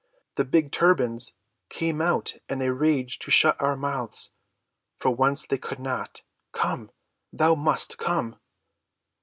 The big turbans came out in a rage to shut our mouths, but for once they could not. Come,—thou must come!"